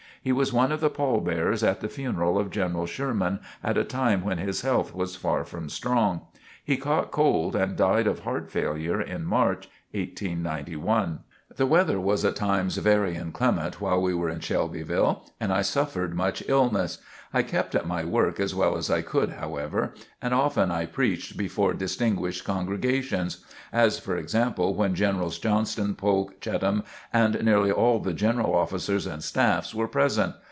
He was one of the pall bearers at the funeral of General Sherman at a time when his health was far from strong. He caught cold and died of heart failure in March, 1891. The weather was at times very inclement while we were in Shelbyville and I suffered much illness. I kept at my work as well as I could, however, and often I preached before distinguished congregations; as, for example, when Generals Johnston, Polk, Cheatham and nearly all the general officers and staffs were present.